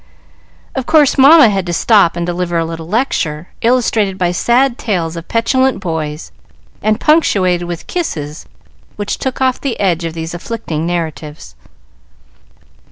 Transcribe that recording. Of course Mamma had to stop and deliver a little lecture, illustrated by sad tales of petulant boys, and punctuated with kisses which took off the edge of these afflicting narratives.